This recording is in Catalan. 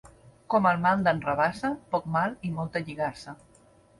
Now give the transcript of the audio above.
Com el mal d'en Rabassa, poc mal i molta lligassa.